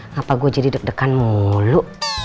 kenapa gue jadi deg degan mulu